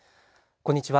こんにちは。